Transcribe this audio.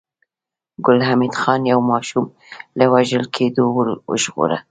ګل حمید خان يو ماشوم له وژل کېدو وژغوره